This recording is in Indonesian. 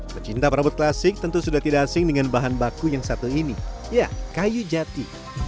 pecinta perabot klasik tentu sudah tidak asing dengan bahan baku yang satu ini ya kayu jati